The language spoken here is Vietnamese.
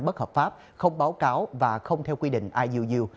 bất hợp pháp không báo cáo và không theo quy định iuu